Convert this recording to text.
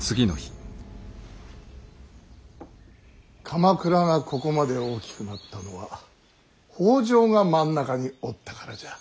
鎌倉がここまで大きくなったのは北条が真ん中におったからじゃ。